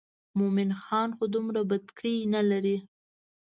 مومن خان خو دومره بتکۍ نه لري.